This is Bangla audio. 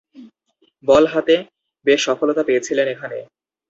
বল হাতে বেশ সফলতা পেয়েছিলেন এখানে।